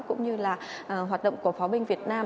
cũng như là hoạt động của pháo binh việt nam